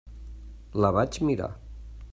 La vaig mirar.